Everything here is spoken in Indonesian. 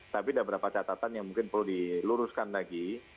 tapi ada beberapa catatan yang mungkin perlu diluruskan lagi